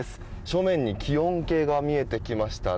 正面に気温計が見えてきました。